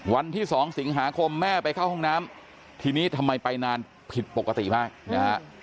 วันที่๒สิงหาคมแม่ไปเข้าห้องน้ำทีนี้ทำไมไปนานผิดปกติมากนะฮะ